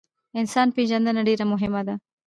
انسان پیژندنه ډیره مهمه ده